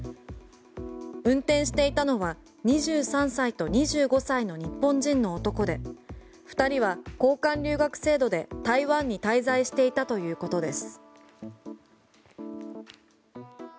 運転していたのは２３歳と２５歳の日本人の男で２人は交換留学制度で台湾に滞在していたということです。